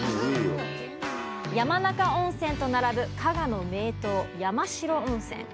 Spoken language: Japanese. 山中温泉と並ぶ加賀の名湯・山代温泉。